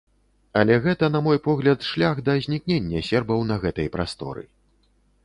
Але гэта, на мой погляд, шлях да знікнення сербаў на гэтай прасторы.